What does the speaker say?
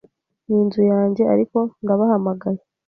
ninzu yanjye ariko ndabahamagaye